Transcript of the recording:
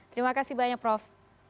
terima kasih banyak prof